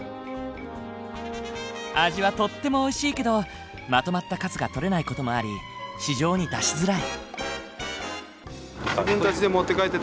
味はとってもおいしいけどまとまった数が取れない事もあり市場に出しづらい。